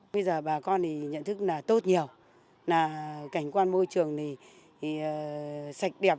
bây giờ bà con thì nhận thức là tốt nhiều là cảnh quan môi trường thì sạch đẹp